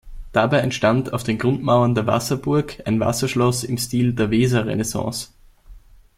Dabei entstand auf den Grundmauern der Wasserburg ein Wasserschloss im Stil der Weserrenaissance.